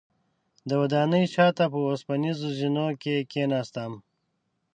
د ودانۍ شاته په اوسپنیزو زینو کې کیناستم.